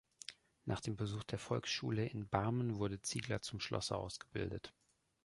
Nach dem Besuch der Volksschule in Barmen wurde Ziegler zum Schlosser ausgebildet.